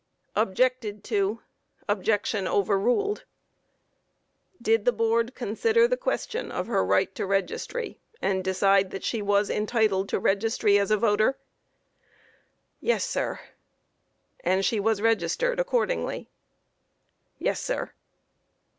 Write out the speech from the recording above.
Objected to. Objection overruled. Q. Did the Board consider the question of her right to registry, and decide that she was entitled to registry as a voter? A. Yes, sir. Q. And she was registered accordingly? A. Yes, sir.